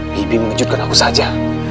bibi mengejutkan aku saja